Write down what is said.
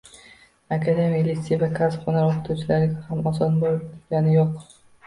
Akademik litsey va kasb-hunar oʻqituvchilariga ham oson boʻlgani yoʻq.